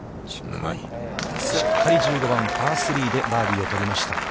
しっかり１５番、パー３でバーディーを取りました。